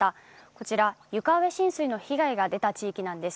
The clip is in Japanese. こちら、床上浸水の被害が出た地域です。